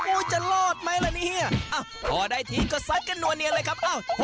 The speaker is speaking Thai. จะรอดไหมล่ะเนี่ยพอได้ทีก็ซัดกันนัวเนียนเลยครับ